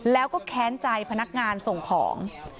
แล้วก็แค้นใจพนักงานส่งของ